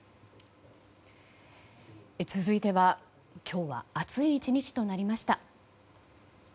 続いては今日は暑い１日となりました。